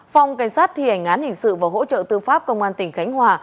phòng cảnh sát thi hành án hình sự và hỗ trợ tư pháp công an tỉnh khánh hòa